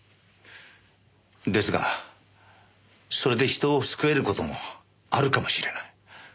ですがそれで人を救える事もあるかもしれない。